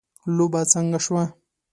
لوبه څنګه شوه .